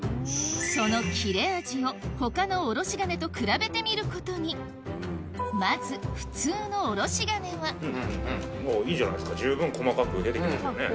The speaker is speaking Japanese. その切れ味を他のおろし金と比べてみることにまずあぁいいじゃないですか十分細かく出てきますよね。